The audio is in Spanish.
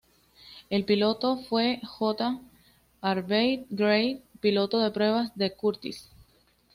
El piloto fue J. Harvey Gray, piloto de pruebas de Curtiss.